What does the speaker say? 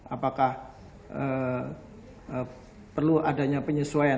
apakah perlu adanya penyesuaian